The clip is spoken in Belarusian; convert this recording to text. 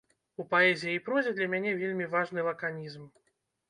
У паэзіі і прозе для мяне вельмі важны лаканізм.